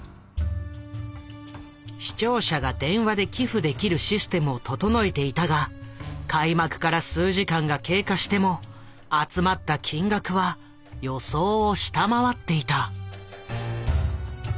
視聴者が電話で寄付できるシステムを整えていたが開幕から数時間が経過しても集まった金額は予想を下回っていた。